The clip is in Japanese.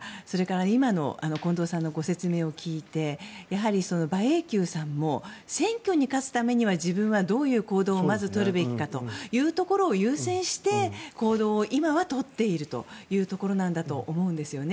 今の近藤さんのご説明を聞いて馬英九さんも選挙に勝つためには自分はどういう行動をまずとるべきかというところを優先して行動を今はとっているというところだと思うんですね。